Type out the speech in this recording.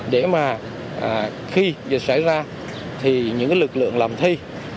để mà khi xảy ra thì những lực lượng làm thi